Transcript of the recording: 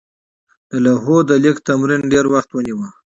د لوحو د لیک تمرین ډېر وخت ونیوه.